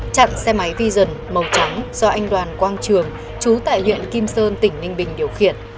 chặn xe máy vision màu trắng do anh đoàn quang trường chú tại huyện kim sơn tỉnh ninh bình điều khiển